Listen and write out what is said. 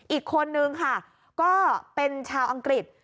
อีกคนนึงค่ะก็เป็นชาวอังกฤษ